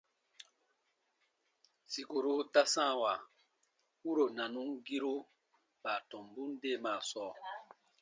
Sikuru ta sãawa wuro nanumgiru baatɔmbun deemaa sɔɔ.